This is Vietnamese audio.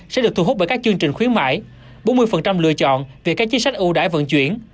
bốn mươi một sẽ được thu hút bởi các chương trình khuyến mại bốn mươi lựa chọn về các chính sách ưu đãi vận chuyển